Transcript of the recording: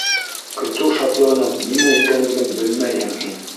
Көтөү шатлығының нимә икәнлеген белмәйһең һин!